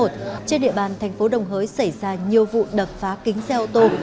trên địa bàn thành phố đồng hới xảy ra nhiều vụ đập phá kính xe ô tô